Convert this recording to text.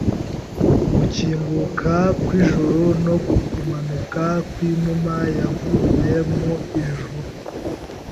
Gukinguka kw’ijuru no kumanuka kw’inuma yavuye mu ijuru,